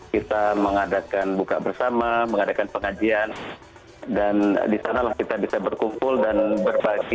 kita mengadakan buka bersama mengadakan pengajian dan disanalah kita bisa berkumpul dan berbagi